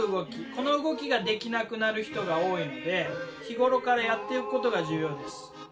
この動きができなくなる人が多いので日頃からやっておくことが重要です。